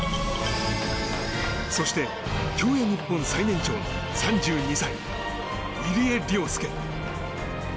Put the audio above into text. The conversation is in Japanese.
そして、競泳日本最年長の３２歳入江陵介。